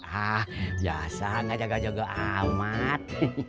ah biasa gak jaga jaga amat